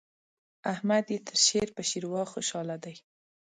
احمد يې تر شير په شېروا خوشاله دی.